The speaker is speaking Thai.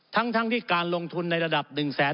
ทั้งที่การลงทุนในระดับ๑แสน